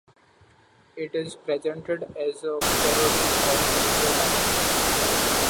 It is presented as a parody of "Radio Times".